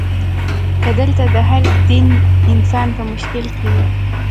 که دلته د هر دین انسان په مشکل کې وي.